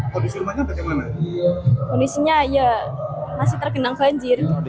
kondisinya ya masih terkenang banjir